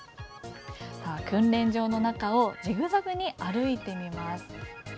訓練場の中をジグザグに歩きます。